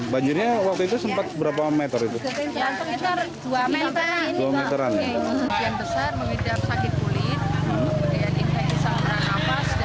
kemudian infeksi saluran hapas dan infeksi saluran pencernaan